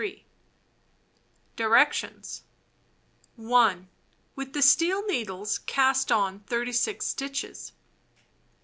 Directions : 1. With the steel needles cast on 36 stitches.